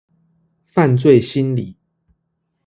犯罪心理